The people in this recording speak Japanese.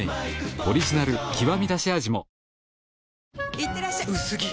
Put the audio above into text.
いってらっしゃ薄着！